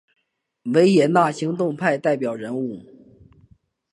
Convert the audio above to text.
维也纳行动派代表人物。